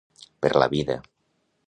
Per la vida.